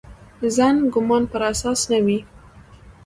ظن ګومان پر اساس نه وي.